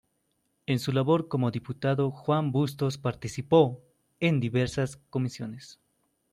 En su labor como diputado, Juan Bustos participó en diversas comisiones.